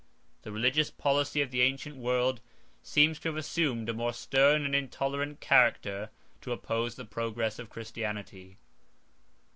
The religious policy of the ancient world seems to have assumed a more stern and intolerant character, to oppose the progress of Christianity.